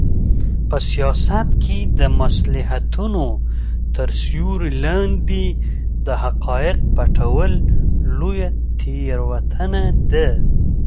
په سیاست کې د مصلحتونو تر سیوري لاندې د حقایقو پټول لویه تېروتنه ده.